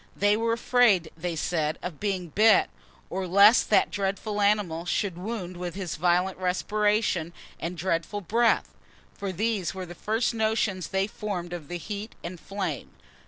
They were afraid, they said, of being bit, or lest that dreadful animal should wound with his violent respiration and dreadful breath; for these were the first notions they formed of the heat and flame.